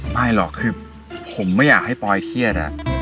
ไม่หรอกคือผมไม่อยากให้ปอยเครียด